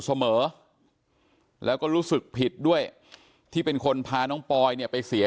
เสมอแล้วก็รู้สึกผิดด้วยที่เป็นคนพาน้องปอยเนี่ยไปเสีย